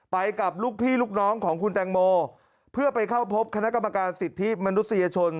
กับลูกพี่ลูกน้องของคุณแตงโมเพื่อไปเข้าพบคณะกรรมการสิทธิมนุษยชน